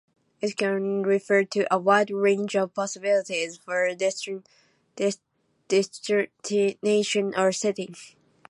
It can refer to a wide range of possibilities for a destination or setting.